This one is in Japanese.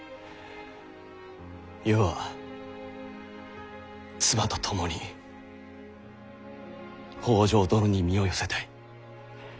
余は妻と共に北条殿に身を寄せたい。